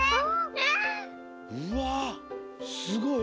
うわっすごい！